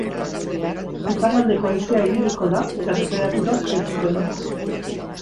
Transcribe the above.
Iparraldeko haizea ibiliko da, eta tenperaturak jaitsiko dira.